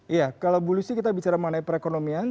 iya kalau bu lucy kita bicara mengenai perekonomian